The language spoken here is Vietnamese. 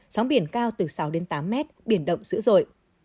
sóng biển cao từ sáu tám m biển động dữ dội